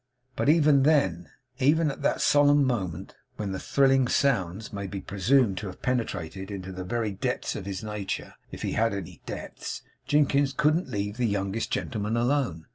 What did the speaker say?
But even then, even at that solemn moment, when the thrilling sounds may be presumed to have penetrated into the very depths of his nature, if he had any depths, Jinkins couldn't leave the youngest gentleman alone.